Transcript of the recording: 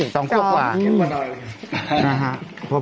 สองขวบกว่า